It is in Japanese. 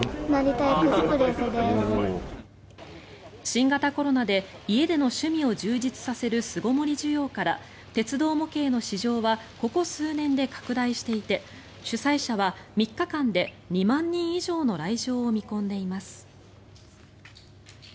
新型コロナで家での趣味を充実させる巣ごもり需要から鉄道模型の市場はここ数年で拡大していて主催者は３日間で２万人以上の来場を見込んでいます。